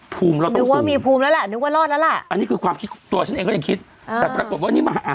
ภูมิเราต้องสูงอันนี้คือความคิดตัวเองก็ยังคิดนึกว่ามีภูมิแล้วล่ะนึกว่ารอดแล้วล่ะ